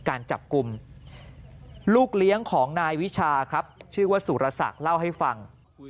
การจับกลุ่มลูกเลี้ยงของนายวิชาครับชื่อว่าสุรศักดิ์เล่าให้ฟัง